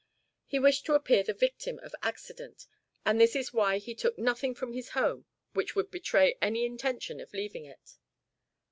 He wished to appear the victim of accident; and this is why he took nothing from his home which would betray any intention of leaving it.